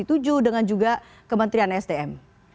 ketua komisi tujuh dengan juga kementerian sdm